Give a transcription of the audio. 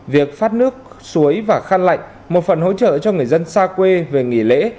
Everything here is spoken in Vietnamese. việc phát nước suối và khăn lạnh một phần hỗ trợ cho người dân xa quê về nghỉ lễ